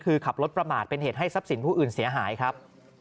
คือขับรถประมาทเป็นเหตุให้ทรัพย์สินผู้อื่นเสียหายครับ